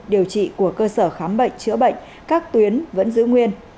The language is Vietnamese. điều trị của cơ sở khám bệnh chữa bệnh các tuyến vẫn giữ nguyên